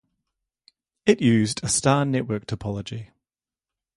It used a star network topology.